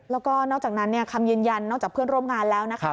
แล้วก็นอกจากนั้นคำยืนยันนอกจากเพื่อนร่วมงานแล้วนะคะ